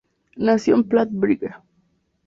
Nació en Platt Bridge.